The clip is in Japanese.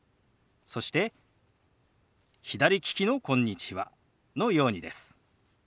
そして左利きの「こんにちは」のようにです。